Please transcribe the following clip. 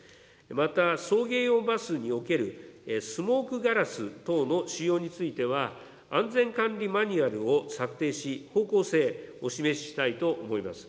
また、送迎用バスにおけるスモークガラス等の仕様については、安全管理マニュアルを策定し、方向性をお示ししたいと思います。